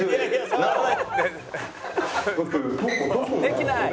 「できない」。